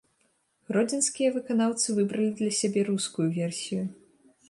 Гродзенскія выканаўцы выбралі для сябе рускую версію.